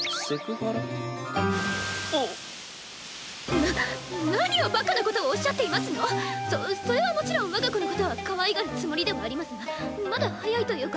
な何をバカなことをおっしゃっていますの⁉そそれはもちろん我が子のことはかわいがるつもりではありますがまだ早いというか。